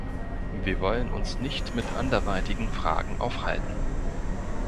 Wir wollen uns nicht mit anderweitigen Fragen aufhalten.